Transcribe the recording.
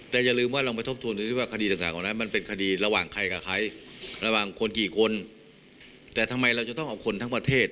แต่ทำไมเราจะต้องเอาคนทั้งประเทศ